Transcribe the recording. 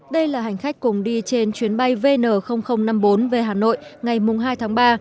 đây là hành khách cùng đi trên chuyến bay vn năm mươi bốn về hà nội ngày hai tháng ba